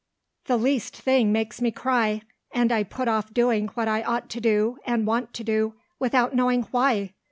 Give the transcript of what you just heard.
The least thing makes me cry; and I put off doing what I ought to do, and want to do, without knowing why.